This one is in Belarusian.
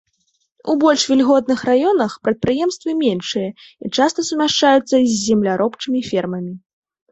У больш вільготных раёнах прадпрыемствы меншыя і часта сумяшчаюцца з земляробчымі фермамі.